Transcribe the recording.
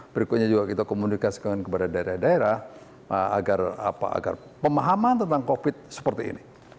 berikutnya juga kita komunikasi dengan kepada daerah daerah agar pemahaman tentang covid sembilan belas seperti ini